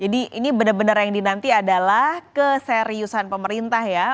ini benar benar yang dinanti adalah keseriusan pemerintah ya